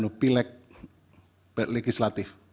jadi ini sudah pilih legislatif